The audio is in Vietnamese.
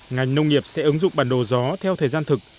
ngành nông nghiệp sẽ ứng dụng bản đồ gió theo thời gian thực